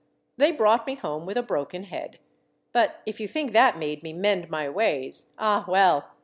They brought me home with a broken head. But if you think that made me mend my ways — ah well